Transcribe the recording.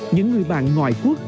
những người bạn ngoại quốc